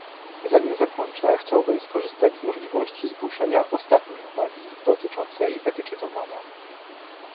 Zanim zakończę chciałabym skorzystać z możliwości zgłoszenia ostatniej uwagi, dotyczącej etykietowania